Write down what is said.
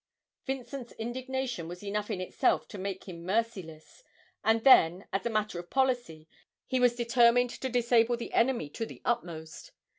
Vincent's indignation was enough in itself to make him merciless, and then, as a matter of policy, he was determined to disable the enemy to the utmost.